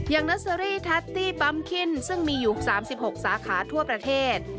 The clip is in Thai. อย่างในสริทัตตี้ปั๊มคินซึ่งมีอยู่๓๖สาขาทั่วประเทศ